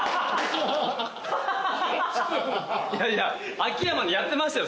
いやいや秋山にやってましたよ